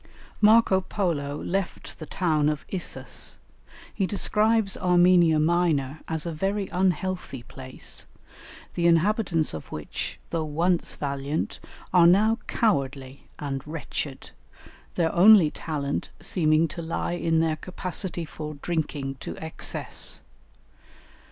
Marco Polo left the town of Issus; he describes Armenia Minor as a very unhealthy place, the inhabitants of which, though once valiant, are now cowardly and wretched, their only talent seeming to lie in their capacity for drinking to excess.